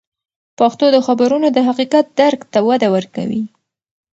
پښتو د خبرونو د حقیقت درک ته وده ورکوي.